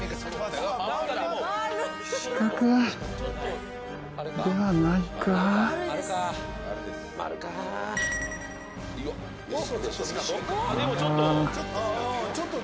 でもちょっと。